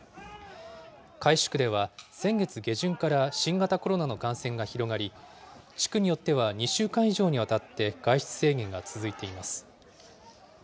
海珠区では先月下旬から新型コロナの感染が広がり、地区によっては２週間以上にわたって外出制限が続いています。